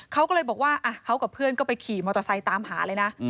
เขาก็เลยบอกว่าเขากับเพื่อนก็ไปขี่มอเตอร์ไซค์ตามหาเลยนะ